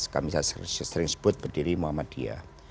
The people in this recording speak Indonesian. kami sering sebut berdiri muhammadiyah